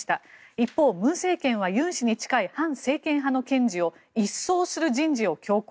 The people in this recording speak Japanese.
一方、文政権はユン氏に近い反政権派の検事を一掃する人事を強行。